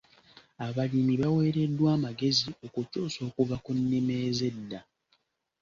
Abalimi baaweereddwa amagezi okukyusa okuva ku nnima ez'edda.